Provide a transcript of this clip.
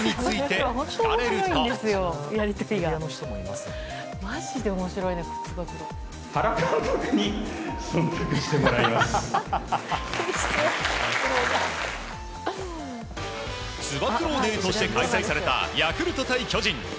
つば九郎デーとして開催されたヤクルト対巨人。